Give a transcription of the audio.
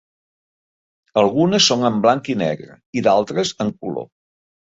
Algunes són en blanc i negre i d'altres en color.